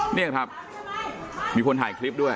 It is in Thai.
นี่ครับมีคนถ่ายคลิปด้วย